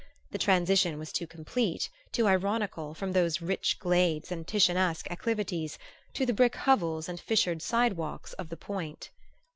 The transition was too complete, too ironical, from those rich glades and Titianesque acclivities to the brick hovels and fissured sidewalks of the Point.